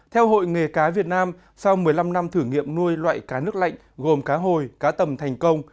theo hội nghề cá việt nam sau một mươi năm năm thử nghiệm nuôi loại cá nước lạnh gồm cá hồi cá tầm thành công